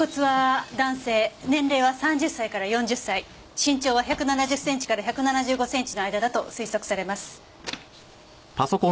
身長は１７０センチから１７５センチの間だと推測されます。